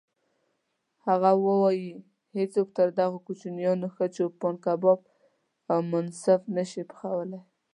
هغه وایي: هیڅوک تر دغو کوچیانو ښه چوپان کباب او منسف نه شي پخولی.